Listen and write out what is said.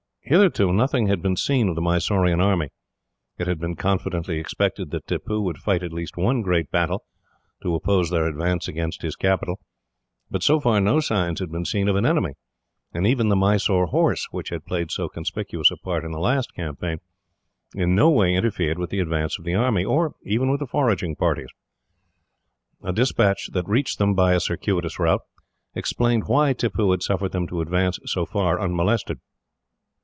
Hitherto, nothing had been seen of the Mysorean army. It had been confidently expected that Tippoo would fight at least one great battle, to oppose their advance against his capital, but so far no signs had been seen of an enemy, and even the Mysore horse, which had played so conspicuous a part in the last campaign, in no way interfered with the advance of the army, or even with the foraging parties. A despatch that reached them, by a circuitous route, explained why Tippoo had suffered them to advance so far unmolested.